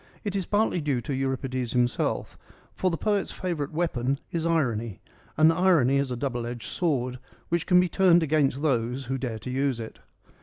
It is partly due to Euripides himself, for the poet's favourite weapon is irony, and irony is a double edged sword which can be turned against those who dare to use it.